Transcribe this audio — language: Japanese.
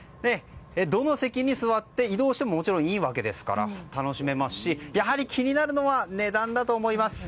どの席に座っても移動してももちろんいいわけですから楽しめますし、やはり気になるのは値段だと思います。